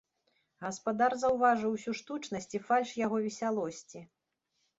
Гаспадар заўважыў усю штучнасць і фальш яго весялосці.